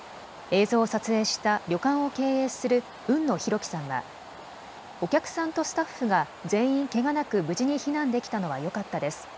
映像を撮影した旅館を経営する海野博揮さんはお客さんとスタッフが全員けがなく無事に避難できたのはよかったです。